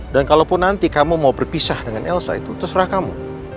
dan kalau pun nanti kamu mau berpisah dengan elsa itu terserah kamu